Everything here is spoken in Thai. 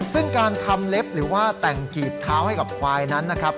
ซึ่งการทำเล็บหรือว่าแต่งกีบเท้าให้กับควายนั้นนะครับ